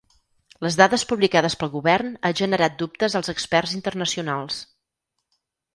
Les dades publicades pel govern ha generat dubtes als experts internacionals.